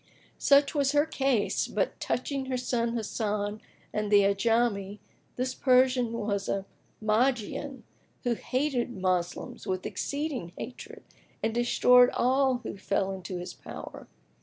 Such was her case; but touching her son Hasan and the Ajami, this Persian was a Magian, who hated Moslems with exceeding hatred and destroyed all who fell into his power.